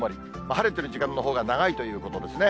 晴れてる時間のほうが長いということですね。